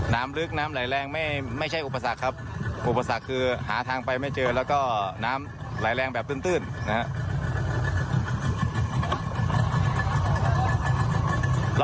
น้ำลึกน้ำไหลแรงไม่ใช่อุปสรรคครับอุปสรรคคือหาทางไปไม่เจอแล้วก็น้ำไหลแรงแบบตื้นนะครับ